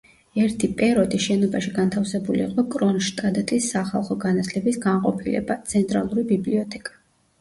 ერთი პეროდი შენობაში განთავსებული იყო კრონშტადტის სახალხო განათლების განყოფილება, ცენტრალური ბიბლიოთეკა.